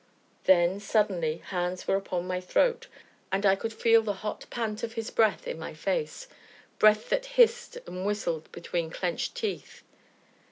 Then, suddenly, hands were upon my throat, and I could feel the hot pant of his breath in my face, breath that hissed and whistled between clenched teeth.